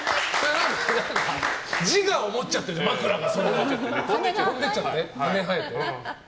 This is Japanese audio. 自我を持っちゃってるじゃん枕が。